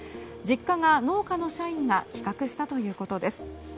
実家が農家の社員が企画したということです。